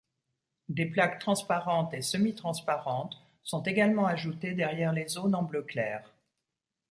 Des plaques transparentes et semi-transparentes sont également ajoutées derrières les zones en bleu clair.